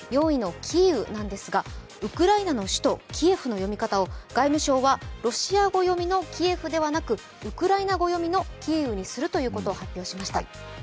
４位のキーウなんですがウクライナの首都キエフの読み方を外務省はロシア語読みの「キエフ」ではなくウクライナ語読みのキーウにすることを発表しました。